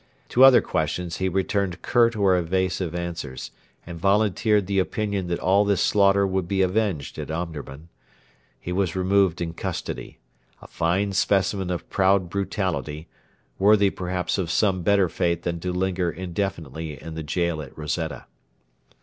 To other questions he returned curt or evasive answers, and volunteered the opinion that all this slaughter would be avenged at Omdurman. He was removed in custody a fine specimen of proud brutality, worthy perhaps of some better fate than to linger indefinitely in the gaol at Rosetta.